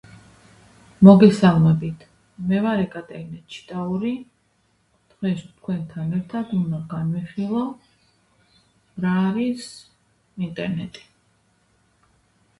It is said to be as old as Dwapar Yug.